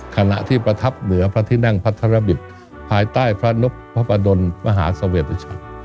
ขณะที่ประทับเหนือพระทินั่งพระธรรมศ์ภายใต้พระนพพระบาดลมหาสเวรตรชัตริย์